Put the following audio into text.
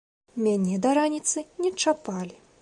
Мяне да раніцы не чапалі.